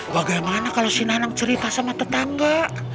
bagaimana kalau si nanam cerita sama tetangga